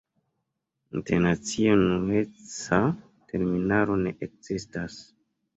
Internacie unueca terminaro ne ekzistas.